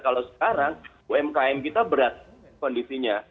kalau sekarang umkm kita berat kondisinya